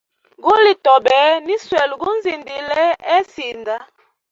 Guli tobe, niswele gunzindile he sinda.